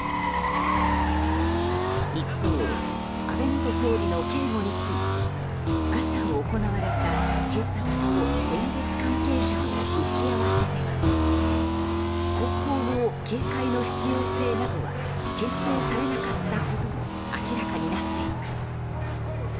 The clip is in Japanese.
一方、安倍元総理の警護について朝行われた警察と演説関係者の打ち合わせでは後方の警戒の必要性などは検討されなかったことも明らかになっています。